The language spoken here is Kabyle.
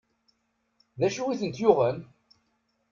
D acu i tent-yuɣen?